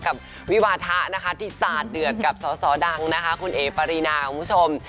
กับวิวาทะนะคะที่สาดเดือดกับสอสอดังนะคะคุณเอ๋ปารีนาคุณผู้ชม